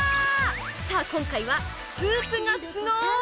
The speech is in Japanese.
さあ、今回はスープがすごーい！